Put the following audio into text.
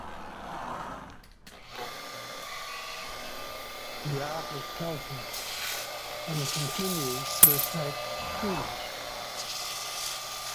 The art is healthy and continues to attract students.